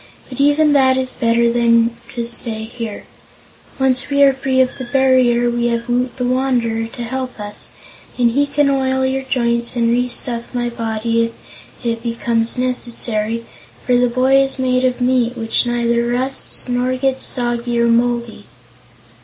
But even that is better than to stay here. Once we are free of the barrier, we have Woot the Wanderer to help us, and he can oil your joints and restuff my body, if it becomes necessary, for the boy is made of meat, which neither rusts nor gets soggy or moldy."